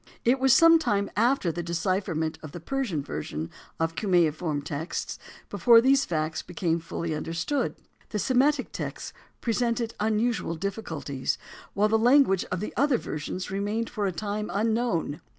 It was some time after the decipherment of the Persian version of the cuneiform texts before these facts became fully understood. The Semitic text presented unusual difficulties, while the language of the other version remained for a time unknown.